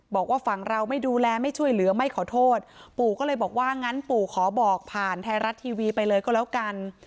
บอกว่าฝั่งเราไม่ดูแลไม่ช่วยเหลือไม่ขอโทษปู่ก็เลยบอกว่างั้นปู่ขอบอกผ่านไทยรัฐทีวีไปเลยก็แล้วกัน